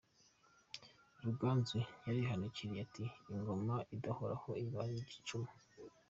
Ruganzu yarihanukiriye ati :« Ingoma idahoora iba ari igicuma !